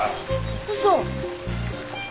うそ？